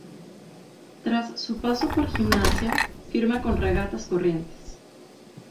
Tras su paso por Gimnasia, firma con Regatas Corrientes.